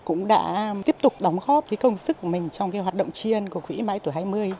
cũng đã tiếp tục đóng khóp với công sức của mình trong cái hoạt động chiên của quỹ mãi tuổi hai mươi